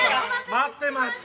待ってました！